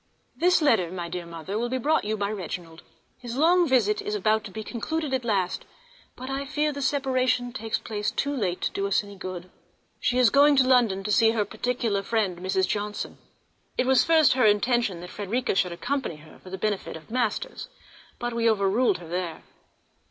This letter, my dear Mother, will be brought you by Reginald. His long visit is about to be concluded at last, but I fear the separation takes place too late to do us any good. She is going to London to see her particular friend, Mrs. Johnson. It was at first her intention that Frederica should accompany her, for the benefit of masters, but we overruled her there.